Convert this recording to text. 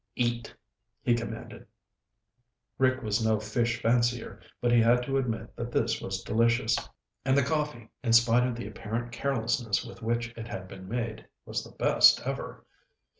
"Eat," he commanded. Rick was no fish fancier, but he had to admit that this was delicious. And the coffee, in spite of the apparent carelessness with which it had been made, was the best ever.